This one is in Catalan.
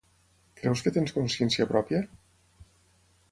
Creus que tens consciència pròpia?